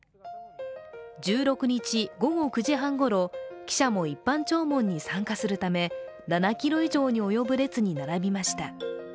１６日午後９時半ごろ、記者も一般弔問に参加するため、７ｋｍ以上に及ぶ列に並びました。